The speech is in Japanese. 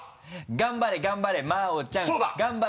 頑張れ頑張れ真央ちゃん！